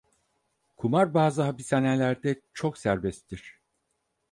Kumar bazı hapishanelerde çok serbesttir.